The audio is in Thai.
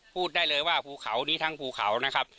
พูดได้เลยว่าภูเขานี้ทั้งภูเขานะครับ